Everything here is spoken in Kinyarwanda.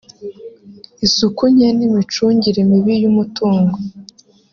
isuku nke n’imicungire mibi y’umutungo